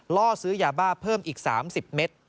ล่อซื้อยาบ้าเพิ่มอีก๓๐เมตร